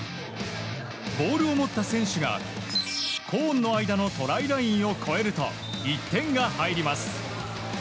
ボールを持った選手がコーンの間のトライラインを越えると１点が入ります。